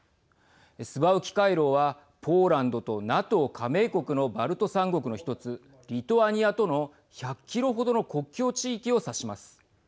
スバウキ回廊は、ポーランドとＮＡＴＯ加盟国のバルト３国の１つリトアニアとの１００キロ程の国境地域を指します。